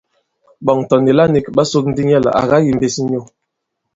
Ɓɔ̀ŋ tɔ̀ nìla nīk ɓa sōk ndī nyɛ lā à kayīmbīs nyu.